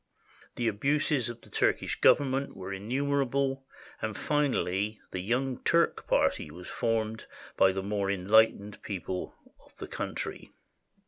The abuses of the Turkish Government were innumerable, and finally the Young Turk Party was formed by the more enlightened people of the country.